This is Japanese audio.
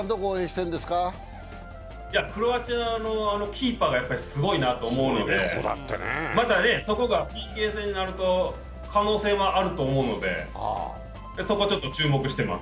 クロアチアのキーパーがすごいなと思うのでまたそこがＰＫ戦になると可能性はあると思うのでそこ、ちょっと注目してます。